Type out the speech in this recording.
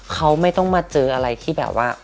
เขาไม่ต้องมาเจออะไรที่แบบว่า